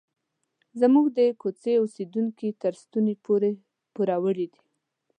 زموږ د کوڅې اوسیدونکي تر ستوني پورې پوروړي دي.